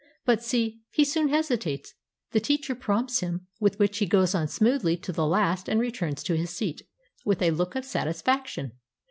But see, he soon hesitates; the teacher prompts him, with which he goes on smoothly to the last and returns to his seat with a look of satisfaction.